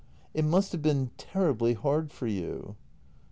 It must have been terribly hard for you.